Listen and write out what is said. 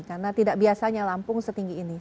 karena tidak biasanya lampung setinggi ini